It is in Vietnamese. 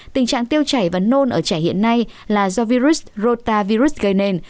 tình trạng tiêu chảy và nôn ở trẻ hiện nay là do virus rotavirus gây nên